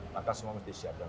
maka semua harus disiapkan